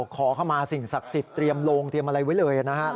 ขอเข้ามาสิ่งศักดิ์สิทธิ์เตรียมโลงเตรียมอะไรไว้เลยนะฮะ